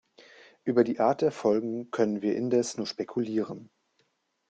Über die Art der Folgen können wir indes nur spekulieren.